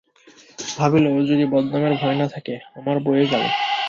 ভাবিল ওর যদি বদনামের ভয় না থাকে আমার বয়ে গেল।